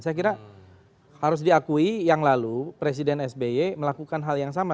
saya kira harus diakui yang lalu presiden sby melakukan hal yang sama